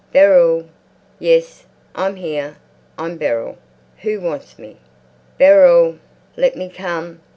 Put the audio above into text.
"Beryl!" "Yes, I'm here. I'm Beryl. Who wants me?" "Beryl!" "Let me come."